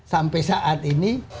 sampai saat ini